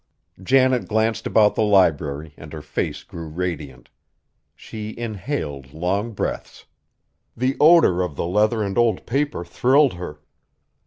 Janet glanced about the library and her face grew radiant. She inhaled long breaths. The odor of the leather and old paper thrilled her.